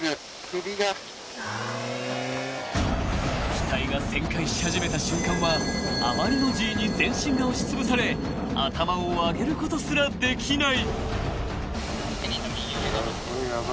［機体が旋回し始めた瞬間はあまりのＧに全身が押しつぶされ頭を上げることすらできない］